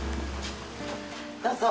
どうぞ。